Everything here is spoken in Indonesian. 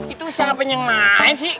itu siapa yang main sih